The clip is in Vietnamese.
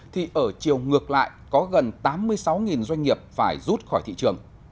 thì ở chiều ngược lại có gần tám mươi sáu doanh nghiệp phải rút khỏi thị trường